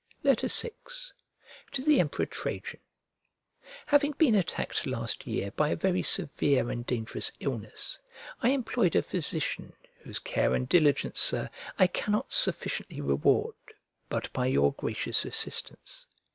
VI To THE EMPEROR TRAJAN HAVING been attacked last year by a very severe and dangerous illness, I employed a physician, whose care and diligence, Sir, I cannot sufficiently reward, but by your gracious assistance.